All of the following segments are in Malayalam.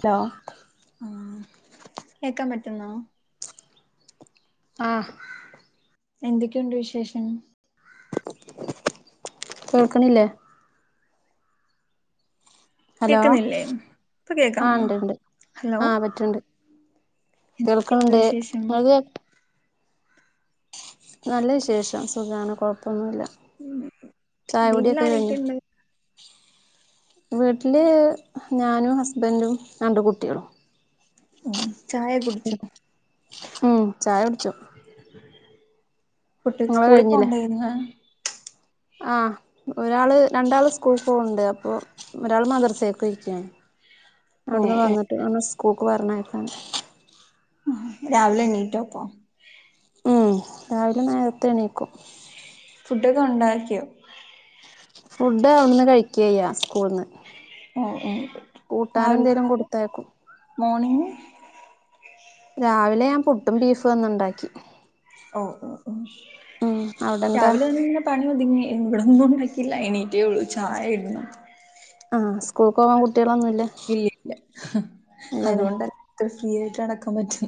അലോ ആ കേക്കാൻ പറ്റുന്നോ ആ എന്തൊക്കെയുണ്ട് വിശേഷം കേൾക്കണില്ലേ ഹലോ കേക്കുന്നില്ലേ ഇപ്പൊ ആഹ് കേക്കാമോ ഇണ്ട്ണ്ട് ഹലോ ആഹ് പറ്റണ്ട് എന്തൊക്കെയുണ്ട് കേൾക്കണണ്ട് വിശേഷം ങ്ങള്ത് നല്ല വിശേഷം സുഖാണ് കൊഴപ്പൊന്നുല്ല ചായ കുടിയൊക്കെ കഴിഞ്ഞോ വീട്ടിലാരൊക്കെയുണ്ട് വീട്ടില് ഞാനും ഹസ്ബൻറും രണ്ട് കുട്ടിയെളും ഓ ഉ ഉം ചായ കുടിച്ചു [unintelligible] കുട്ടി സ്കൂളിൽ പോണ്ടായിരുന്നു ആ ഒരാള് രണ്ടാള് സ്കൂൾ പോണ്ട് അപ്പോ ഒരാള് മദ്രസെ പോയിക്കാണ് ഓ അടുന്ന് ഓ വന്നിട്ട് ആണ് സ്കൂ ൾക്ക് പറഞ്ഞയക്കണം. ആ രാവിലെ എണീട്ടോ പ്പ മ്മ് രാവിലെ നേരത്തെ എണീക്കും ഫുഡൊക്കെ ഉണ്ടാക്കിയോ ഫുഡ് അവിടുന്ന് കഴിക്ക്യായ്യാ സ്കൂള്ന്ന് ഓ ഓ കൂട്ടാനെന്തേലും കൊടുത്തയക്കും മോർണിംഗ്‌ രാവിലെ ഞാൻ പുട്ടും ബീഫു ആ ന്നുണ്ടാക്കി ഓ ഓ ഓ അവിടെ എന്താ രാവിലെ ഒന്നിങ്ങനെ പണി ഒതുങ്ങി ഇവിടൊന്നും ഉണ്ടാക്കില്ല എണീറ്റേ ഉള്ളൂ ചായ ഇടുന്നു ആഹ് സ്കൂൾക്ക് പോവാൻ കു കുട്ടികളൊന്നുംല്ല? ഇല്ല ഇല്ല ഫ്രീയായ്ട്ട് നടക്കാൻ പറ്റു-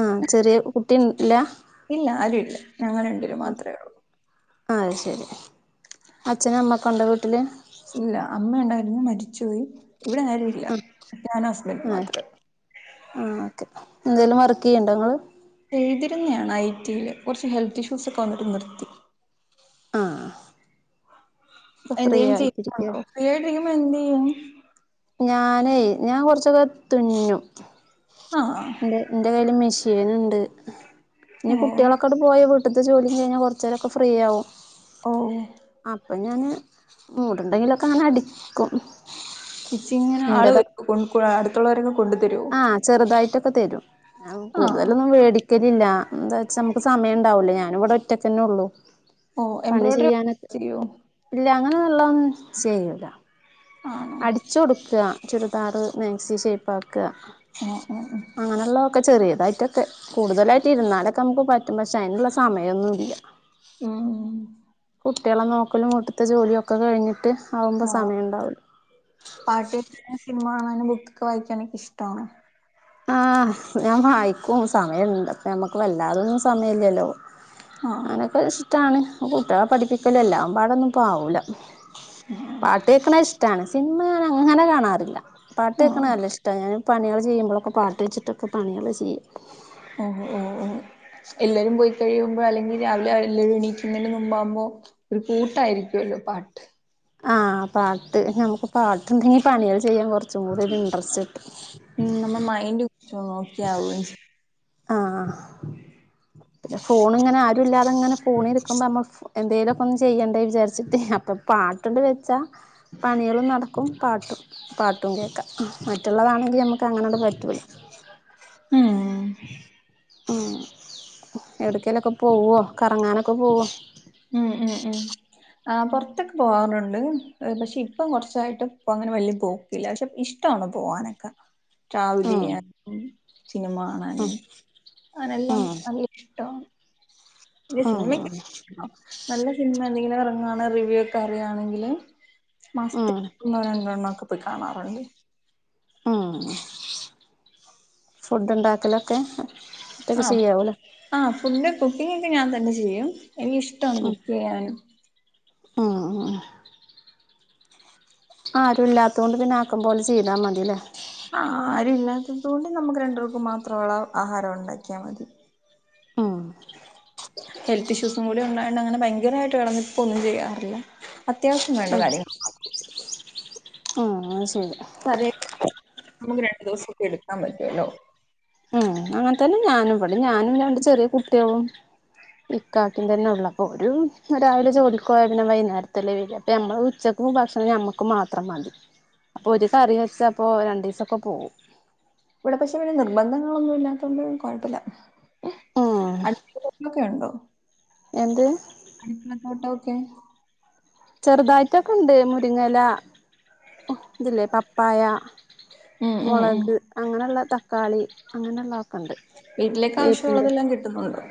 ആഹ് ചെറിയ കുട്ടില്ല? ഇല്ല ആരും ഇല്ല ഞങ്ങൾ രണ്ട് പേരും മാത്രേ ഉള്ളൂ അത് ശരി അച്ഛനും അമ്മക്കെ ഉണ്ടോ വീട്ടില് ഇല്ല അമ്മ ഉണ്ടായിരുന്നു മരിച്ചുപോയി ഇവിടെ ആരുല്ല ആഹ് ഞാനും ഹസ്ബൻഡും ആഹ് മാത്രേള്ളു ആഹ് ഓക്കെ എന്തേലും വർക്ക് ചെയ്യ്ണ്ടോ ങ്ങള്? എഴുതിരുന്നയാണ് ഐ ടി യില് കുറച്ച് ഹെൽത്ത് ഇഷ്യൂസ് ഒക്കെ വന്നിട്ട് നിർത്തി ആ എന്തേലും ചെയ്യുന്നുണ്ടോ ഫ്രീ ആയിട്ടിരിക്കുമ്പോ എന്ത് ചെയ്യും ഞാനേ ഞാൻ കുറച്ചൊക്കെ തുന്നീനു ആ ന്റെ എന്റെ കയ്ൽ മിഷീ ഷീന്ണ്ട്‌ ഇനി കുട്ടികളൊക്കെങ്ങട്ട് പോയ ടുത്ത ജോലിം കഴിഞ്ഞാ കൊർച്ചേരൊക്കെ ഫ്രീ ആവും ഓ ഓ അപ്പൊ ഞാന് മൂട്ണ്ടെങ്കിലൊക്കെ അങ്ങനെ അടിക്കും റ്റിച്ചിങ്ങിന് ആള് എന്റത് കൊ [unintelligible] ആഹ് ചെറുതായിട്ട് ക്കെ തരും ഞ ആ കൂടുതലൊന്നും വേടിക്ക ക്കലില്ല എന്താ വെച്ചാ നമുക്ക് സമയം ഉണ്ടാവൂലേ ഞാനിവിടെ ഒറ്റക്കെന്നുള്ളൂ ഓ എംബ്രോയ്ഡറി ചെയോ അങ്ങനയെയുള്ളത് ഒന്നും ചെയ്ല്ല ആണോ അടിച്ചു കൊടുക്ക ചുരിദാർ മാക്സി ഷേപ്പാ ക ഓ ഓ ഓ. അകനെയുള്ള ക്കെ ചെറിയതായിട്ടൊക്കെ കൂടുതലായിട്ട് ഇരുന്നാലൊക്കെ നമുക്ക് പറ്റും പക്ഷെ അതിനുള്ള സമയമൊന്നും ഇല്ല ഉം ഉം കുട്ടികളെ നോക്കലും വീട്ടിത്ത ജോലിയൊക്കെ കഴിഞ്ഞിട്ട് ആവുമ്പോ ഓ സമയം ഉണ്ടാവലോ [unintelligible] [unintelligible] ബുക്കൊക്കെ വായിക്കാൻ ഇഷ്ടണ് ആ ഞാൻ വായിക്കും സമയണ്ട് അപ്പ നമ്മക്ക് വല്ലാതൊന്നും സമയ ഇല്ലല്ലോ ആ അനൊക്കെ ഇഷ്ടാണ് കുട്ടികളെ പഠിപ്പിക്കലും എല്ലാം പാടൊന്നും പ്പവൂല്ല പാട്ടേക്ക്ണത് ഇഷടാണ് സിനിമ ഞാന് അങ്ങനെ കാണാറില്ല ല്ല പാട്ട് കേൾക്കണേ ആ നല്ല ഇഷ്ട്ട ഇങ്ങനെ പണികൾ ചെയുമ്പളൊക്കേ പാട്ട് വെച്ചിട്ട് പണികൾ ചെ ഉം ഉം ഉം എല്ലാവരും പോയി കഴിയുമ്പോൾ അല്ലകിൽ രാവിലെ അവരെ എല്ലാവരും എനിക്കത്തിന് മുൻ മമ്മു ഒരു ക്യൂട്ട് ആയിരിക്കലോ പാട്ട് ആ പാട്ട് പാട്ടിണ്ടാകില്ലേ പണികളെ ചെയാന്നെ കുറച്ചേകു കുടി ഇൻട്രസ്റ്റ് കിട്ടും ഉം നമ്മ [unintelligible] ആ ഫോൺ ഇങ്ങനെ ആരുല്ലാത്ത ഇങ്ങനെ ഫോൺലെ ഇരിക്കുപോ നമ്മുക്ക് എന്തെങ്കിലും ഓക്കേ ഒന്നേ ചെയ്യണ്ടേ വിചാരിച്ചിടെ അപ്പൊ ട്ട് വെച്ച പണിയാളും നടക്കും പാട്ടും പാട്ടും കേൾകാം മറ്റുള്ളത് ആണെങ്കില്ലേ നമ്മുക്ക് അങ്ങനെടെ പറ്റൂല്ല ഉം ഉം എവിടെകിലുമൊക്കെ പോവോ കറങ്ങനെ ഓക്കേ പോവോ ഉം ഉം ഉം ആ പുറത്തൊക്കെ പോവാറുണ്ട് പക്ഷെ ഇപ്പൊ കുറച്ചേയിട്ടേ പുറത്ത് ഒന്നെയും വലിയ പോകില്ല പക്ഷെ ഇഷ്ട്ടന്നെ പോവാനൊക്കെ ഉം ട്രാവലെയ്യാൻ സിനിമ കാണാൻ അങ്ങനെ എല്ലാം ഉം ഇഷ്ട്ടമാണ് ഏയ്‌ സിനിമക്ക് ഉം നല്ല സിനിമ എന്തെകിലു ഇറങ്ങനെ റിവ്യൂ അറിയാണെങ്കില് മാസത്തിൽ ഉം ഒന്നോ രണ്ടോ എണ്ണക്കെ ഇപ്പ കാണാറുണ്ട് ഉം ഫുഡ് ഉണ്ടാക്കലൊക്കെ ഒറ്റക്ക് ആ ചെയ്യാവൂലേ ആ ഫുഡ് കുക്കിംഗ് ഞാൻ തന്നെ ചെയ്യും എനിക്കിഷ്ടമാണ് ഉം കുക്ക് ചെയ്യാന് ഉം ആ ആരും ഇല്ലാത്ത കൊണ്ട് പിന്നെ ആക്കുമ്പോലെ ചെയ്താ മതില്ലേ ആ ആരും ഇല്ലാത്തതുകൊണ്ട് നമുക്ക് രണ്ടു പേർക്കും മാത്ര ഉള്ള ആഹാരം ഉണ്ടാക്കിയാൽ മതി ഉം ഹെൽത്ത് ഇഷ്യൂസും കൂടി ഉണ്ടായണ്ട് അങ്ങനെ ഭയങ്കരമായിട്ട് കിടന്നിപ്പോ ഒന്നും ചെയ്യാറില്ല അത്യാവശ്യം വേണ്ട ഉം കാര്യം ആ പിന്നെ കറിയൊക്കെ നമുക്ക് രണ്ടു ദിവസൊക്കെ എടുക്കാൻ പറ്റുവല്ലോ ഉം അങ്ങനെ തന്നെ ഞാനും ഇവിടെ ഞാനില്ലാണ്ട് ചെറിയ കുട്ടികളും ഇക്കാക്കിം തന്നെ ഉള്ളപ്പോ ഓര് രാവിലെ ജോലിക്കു പോയ പിന്നെ വൈകുന്നേരത്തല്ലേ വരു അപ്പൊ ഞമ്മള് ഉച്ചക്കും ഭക്ഷണം ഞമ്മക്ക് മാത്രം മതി അപ്പൊ ഒരു കറി വെച്ചാപ്പൊ രണ്ടു ദിവസൊക്കെ പോവും. ഇവിടെ പക്ഷെ നിർബന്ധങ്ങളൊന്നും ഇല്ലാത്തോണ്ട് കൊഴപ്പില്ല. ഉം [unintelligible] ഒണ്ടോ എന്ത് അടുക്കള തോട്ടോക്കെ? ചെറുതായിട്ടൊക്കെ ഇണ്ട് മുരിങ്ങയില ഇതില്ലേ പപ്പായ ഉം ഉം ഉം മുളക് അങ്ങനെയെള്ള തക്കാളി അങ്ങനെയുള്ളതൊ വീട്ടിലേക്ക് ആവശ്യമുള്ളതെല്ലാം കിട്ടുന്നുണ്ട്.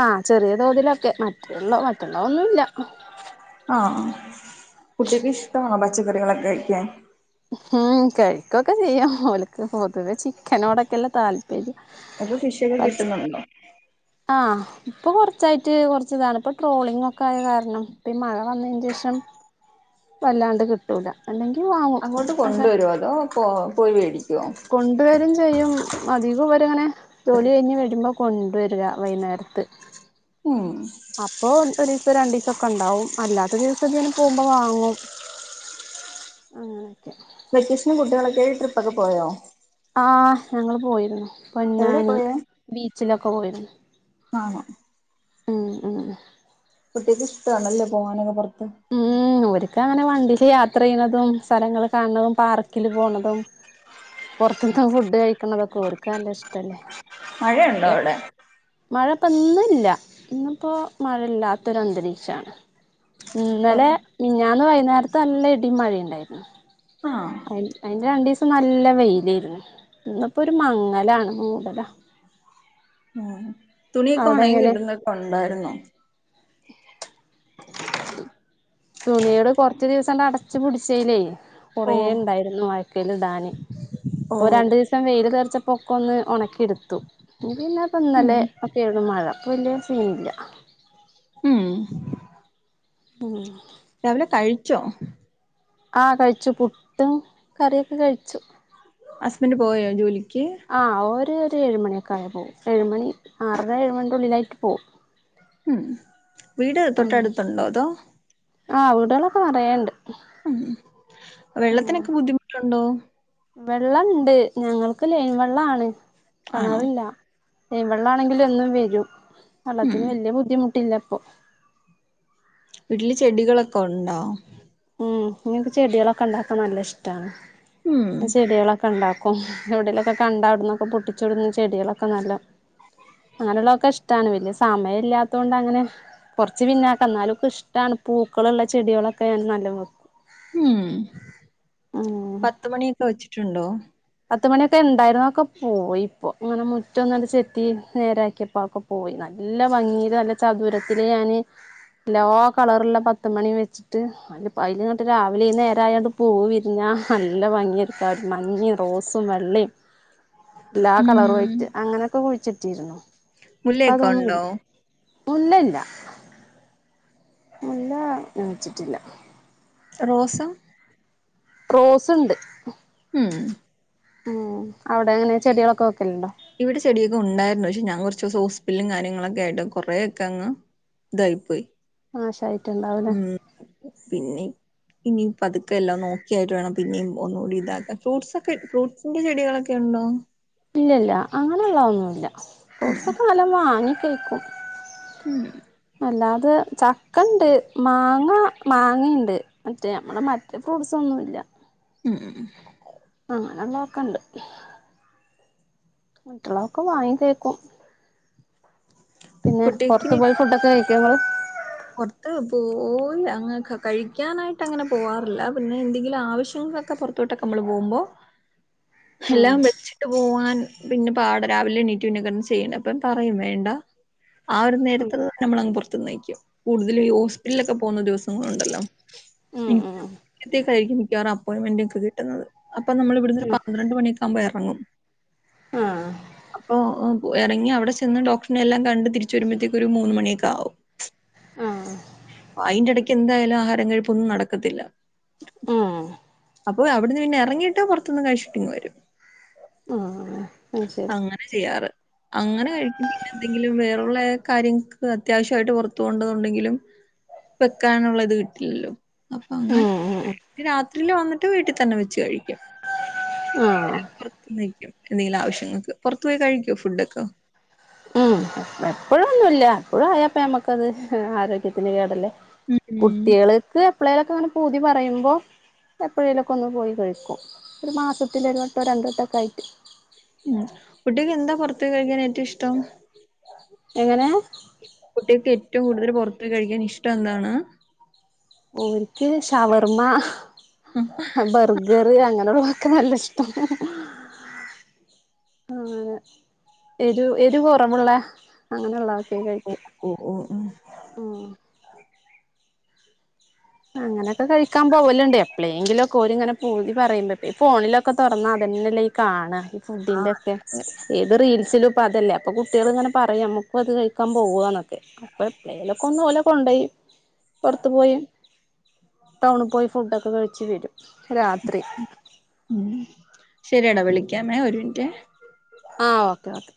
ആഹ് ചെറിയ തോതിലൊക്കെ മറ്റുള്ള മറ്റുള്ള ഒന്നുമില്ല ആഹ് കുട്ടിക്ക് ഇഷ്ടമാണോ പച്ചക്കറികളൊക്കെ കഴിക്കാൻ? ഉം കഴിക്കൊക്കെ ചെയ്യും. ഓലക്ക് പൊതുവെ ചിക്കനോടൊക്കെല്ലേ താൽ [unintelligible] ഫിഷ് ഒക്കെ കിട്ടുന്നുണ്ടോ? ആഹ് ഇപ്പൊ കൊറച്ചായിട്ട് കൊറച്ച് ഇതാണ് ഇപ്പൊ ട്രോളിംഗ് ഒക്കെ ആയ കാരണം ഇപ്പീ മഴ വന്നതിന് ശേഷം വല്ലാണ്ട് കിട്ടൂല അല്ലെങ്കി വാങ്ങും അങ്ങോട്ട് കൊണ്ടുവരുമോ അതോ ഓഹ് പോയിവേടിക്കും കൊണ്ടു വരും ചെയ്യും അധികം അവരിങ്ങനെ ജോലി കഴിഞ്ഞ് വരുമ്പോ കൊണ്ടുവരിക വൈകുന്നേരത്ത് ഉം അപ്പൊ ഒരു ദിവസം രണ്ടിസൊക്കെ ഉണ്ടാവും അല്ലാത്ത ദിവസൊക്കെ ഇങ്ങനെ പോകുമ്പോ വാങ്ങും അങ്ങനെയൊക്കെ വെക്കേഷന് കുട്ടികളൊക്കേയി ട്രിപ്പൊക്കെ പോയോ ആഹ് ഞങ്ങൾ പോയിരുന്നു എവിടെ പൊന്നാനി പോയേ? ബീച്ചില [inaudible] ആണോ ഉം ഉം ക്ക ഇഷ്ടാണല്ലേ പോകാനൊക്കെ പ ത്ത ക്ക അങ്ങനെ വണ്ടിയില് യാത്ര ചെയ്യണതും സ്ഥലങ്ങള് കാണതും പാർക്കിൽ പോണതും പുറത്ത്ന്നും ഫുഡ് കഴിക്കുന്നതൊക്കെ അവര്ക്കല്ല ഇഷ്ടല്ല മഴയുണ്ടോ അവിടെ മഴ ഇപ്പോ ഇന്നില്ല ഇന്നിപ്പോ മഴയില്ലാത്തൊര അന്തരീക്ഷാണ് ഇന്നലെ ഓഹ് മിനിഞ്ഞാന്ന് വയ് നേര്ത്തെ നല്ല ഇടീം മഴേ ഇണ്ടായിനി ആഹ് അയ്ൽ അയ്ന്റെ രണ്ടീസ് നല്ല വെയിലേര്ന്നു ഇന്ന് പ്പൊരു മങ്ങലാണ് മൂടല ന്നാഹ് തുണിയക്കെ ഉണെങ്ങി എങ്ങനെ കിട്ടുന്നോക്കെ ഉണ്ടായിരുന്നോ തുണിയോട് കുറച്ച ദിവസം അടച്ച് പിടിച്ചലേ കുറെേ ഓഹ് ണ്ടായിരുന്നു അയക്കൽ ഇടാന് ഇപ്പൊ ഓഹ് രണ്ടു ദിവസം വെയിൽ അർ ചപ്പോ ഒന്ന് ഉണക്കിെടുത്തു പിന്നെപ്പന്നെല ഒക്കെയരുന്നു മഴ വലിയ സീനില്ല ഉം ഉം രാവിലെ കഴിച്ചോ ആഹ കഴിച്ചു പുട്ടും കറിയൊക്കെ കഴിച്ചു ഹസ്ബൻഡ് പോയോ ജോലി ആഹ അവര് ഏഴു മണി ഒക്കെ ആയ പോകും ഏഴുമണി ആറര ഏഴുമണിന്റെ ഉള്ളിലായിട്ട് പോവും ഉം വീട് ഉം തൊട്ടടുത്തുണ്ടോ അതോ ആഹ് വീടുകളൊക്കെ നെറയെ ഉം വെള്ളത്തിനൊക്കെ ബുദ്ധിമുട്ടു ണ്ടോ വെള്ളണ്ട് ഞങ്ങൾക്ക് ലൈൻ വെള്ളാണ് ആണോ കിണാറില്ല ലെയിന് വെള്ളം ആണെങ്കിലും എന്നും വരും ഉം വള്ളത്തിന് വല്ലി ബുദ്ധിമു ട്ടിലപ്പോ വീട്ടില് ചെടികളൊക്ക ഉണ്ടോ ഉം ഇങ്ങനത ചെടികളൊക്ക ഉണ്ടാക്കാൻ നല്ല ഇഷ്ടാണ് ഉം ചെടികളൊക്ക ഉണ്ടാക്കും എവിടേലൊക്കെ കണ്ടവിടുന്നൊക്ക പൊട്ടിച്ചു ഇടുന്ന ചെടികളൊക്ക നല്ല അങ്ങനെയുള്ളതൊക്ക ഇഷ്ടാണ് വല്യസമയം ഇല്ലാത്തോണ്ടങ്ങനെ കൊറച്ച് പിന്നാക്കന്നാലും ഇപ്പ ഇഷ്ടാണ് പൂക്കളൊള്ള ചെടികളൊക്കെ എന്ന [unintelligible] ഉം ഉം പത്തുമണിയൊക്കെ വെച്ചിട്ടുണ്ടോ പത്തുമണിയൊക്കെ ഇണ്ടായിരുന്നൊക്കെ പോയി ഇപ്പോ ഇങ്ങനെ മുറ്റൊന്നടി ചെത്തി നേരക്കിയപ്പോ അഒക്കെ പോയി നല്ല ഭംഗില് നല്ല ചതുരത്തില് ഞാന്ല്ലാ കളറുള്ള പത്തുമണി വെച്ചിട്ട് അല്ല പൈലിനിട്ട് രാവിലെ നേരായോണ്ട് പൂ വിരിഞ്ഞാ നല്ല ഭംഗിയായിരിക്കും ആയൊരു മങ്ങിയ റോസും വെള്ളയും ഇല്ല ആ ഉം കളർ വൈറ്റ് അങ്ങനെയൊക്കെ കുഴിച്ചിട്ടിരുന്നു ഇപ്പം മുല്ലയൊക്കെ അതൊന്നും ഉണ്ടോ? ഇല്ല മുല്ല ഇല്ല മുല്ലാ ഞാൻ വെച്ചിട്ടില്ല റോസും റോസിണ്ട് ഉം ഉം അവിടെ എങ്ങനെ ചെടികളൊക്കെ വെക്കലുണ്ടോ ഇവിടെ ചെടിയൊക്കെ ഉണ്ടായിരുന്നു പക്ഷെ ഞാൻ കുറച്ചോസം ഹോസ്പിറ്റലും കാര്യങ്ങളൊക്കെ ആയിട്ട് കൊറേക്കെ അങ്ങ് ഇതായി പോയി നാശായിറ്റുണ്ടാവൂല്ലേ ഇന്നീം പതുക്കെ എല്ലാം ഒന്ന് ഓക്കെയായിട്ട് വേണം പിന്നെയും ഒന്നുകൂടി ഇതാക്കാൻ ഫ്രൂട്ടസ് ഒക്കെ ഫ്രൂട്ട്സിന്റെ ചെടികളൊക്കെ ഉണ്ടോ ഇല്ലി ല്ലാ അങ്ങനുള്ള ആളോന്നു അല്ല ഉം കുറുക്കൊക്കെ വല്ലോവാങ്ങി തെക്കും ഉം അല്ലാതെ ചക്കണ്ട് മാങ്ങ മാങ്ങയുണ്ട് മറ്റേ നമ്മടെ മറ്റേ ഫ്രൂട്സൊന്നുല്ല ഉം അങ്ങനാ നൊക്കണ്ട് മറ്റുള്ളവൊക്കെ വാങ്ങി കേക്കും പിന്നെ പൊറത്തു പോയി ഫുഡക്കെ കഴി ക്കുമോ പൊറത്ത് പോയി അങ്ങക്ക കഴിക്കാനായിട്ട് അങ്ങനെ പോവാറില്ല പിന്നെ എന്തെങ്കിലും ആവശ്യങ്ങൊക്കെ പൊറത്തോട്ടക്ക നമ്മള് പോവുമ്പോ ഉം എല്ലാം വെച്ചിട്ട് പോവാൻ പിന്നെ പാട രാവിലെ എണ്ണീറ്റ് പിന്ന കിടന്ന് ചെയ്യണപ്പം പറയും വേണ്ട ആ ഒരു നേരത്തുളത് നമ്മളങ്ങ് പുറത്തുന്നയിക്കും കൂടുതലും ഈ ഹോസ്പിറ്റലൊക്ക പോവുന്ന ദിവസങ്ങളുണ്ടല്ലോ ഉം മൂ ഉം [unintelligible] തായിരിക്കും മിക്കവാറും അപ്പോയിന്മെന്റ് ഒക്കെ കിട്ടുന്നത് അപ്പൊ നമ്മൾ ഇവിടന്നൊരു ഉം പന്ത്രണ്ട് മണിഒക്കെ ആകുമ്പോ ഇറങ്ങും ആഹ് അപ്പ ഓ എറങ്ങി അവിട ചെന്ന് ഡോക്ടറിനെ എല്ലാം കണ്ട് തിരിച്ചു വരുമ്പോഴത്തേക്കൊരു മൂന്നു മണിയൊക്കെ ആകും ആഹ് അയിന്റെ ഇടയ്ക്ക് എന്തായാലും ആഹാരം കഴിപ്പൊന്നും നടക്കത്തില്ല ആഹ് അപ്പൊ അവിടുന്ന് പിന്നെ ഇറങ്ങിട്ട് പൊറത്തുന്ന് കഴിച്ചിട്ടിങ് വരും ആഹ് അത് ശരി അങ്ങനെ ചെയ്യാറ് അങ്ങനെ കഴിക്കും പിന്നെ എന്തെങ്കിലും വേറൊള്ള കാര്യങ്ങക്ക് അത്യാവശ്യമായിട്ട് പൊറത്ത് പോകേണ്ടതൊണ്ടെങ്കിലും വെക്കാനുള്ള ഇത് കിട്ടില്ലല്ലോ അപ്പൊ അങ്ങനെ ഉം ഉം ഉം രാത്രിയില് വന്നിട്ട് വീട്ടിൽ തന്നെ വെച്ച് കഴിക്കും ആ പുറത്തുന്ന് കഴിക്കും എന്തെങ്കിലും ആവശ്യങ്ങൾക്ക് പൊറത്തു പോയി കഴിക്കുവോ ഫുഡ് ഒക്കെ എപ്പോഴൊന്നുമില്ല എപ്പഴും ആയാ അപ്പം നമ്മക്കത് ആരോഗ്യത്തിന് കേടല്ലേ ഉം കുട്ടികളിക്ക് പിള്ളാരൊക്കെ അങ്ങനെ പൂതി പറയുമ്പോൾ എപ്പോഴേലൊക്കെ ഒന്ന് പോയി കഴിക്കും ഒരു മാസത്തിലൊ ഒരു വട്ടോ രണ്ട് വട്ടമൊക്കെ ആയിട്ട് ഫുഡ്‌ കഴിക്കാൻ ഏറ്റവും ഇഷ്ടം എങ്ങനെ? നിങക്ക് ഏറ്റവും കൂടുതൽ പുറത്ത് പോയി കഴിക്കാൻ ഇഷ്ടം എന്താണ് എനിക്ക് ഷവർമ്മ ഉം ബർഗറ് അങ്ങനെയുള്ള നല്ല ഇഷ്ടം ആ എരു എരു കൊറവുള്ള അങ്ങനെ ഒള്ളതൊക്കെ ഓ കഴിക്കും ഓ ഓ ഉം ഉം അങ്ങനെയൊക്കെ കഴിക്കാൻ പോവലുണ്ട് എപ്പളേങ്കിലും ഒക്കെ ഓര് ഇങ്ങനെ പൂതി പറയുമ്പോ ഈ ഫോണിലൊക്കെ തുറന്നാ അതന്നെല്ലേ കാണാ- ഫുഡിന്റെ ഒക്കെ ഏത് റീൽസിലും അപ്പൊ അതല്ലേ അപ്പൊ കുട്ടികള് ഇങ്ങനെ പറയും നമ്മുക്കും അത് കഴിക്കാൻ പോവാന്നൊക്കെ അപ്പൊ എന്തെലൊക്കെ ഒന്ന് ഓലെ കൊണ്ടോയി പൊറത്ത് പോയി ടൗണിൽ പോയി ഫുഡ് ക്കെ കഴിച്ച് വരും. രാത്രി ശരിയാടാ വിളിക്കാമേ ഒരു മിനിറ്റേ. ആ ഓക്കേ ഓക്കേ.